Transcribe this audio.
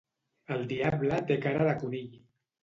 El diable té cara de conill.